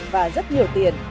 và rất nhiều tiền